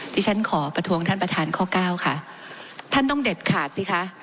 ที่ฉันขอประท้วงท่านประธานข้อเก้าค่ะท่านต้องเด็ดขาดสิคะ